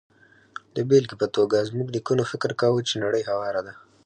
د بېلګې په توګه، زموږ نیکونو فکر کاوه چې نړۍ هواره ده.